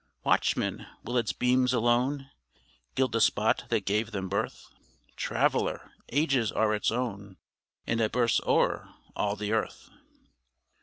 Watchman! will its beams alone Gild the spot that gave them birth? Traveler! ages are its own, And it bursts o'er all the earth.